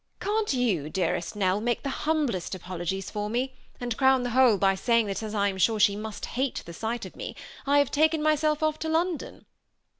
Can't jim, dear est Nell, make the hamblest apologies for me, and crown the whole by sajing, that as I am sure she must hate the sight of me, I have taken myself off to London